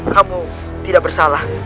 kamu tidak bersalah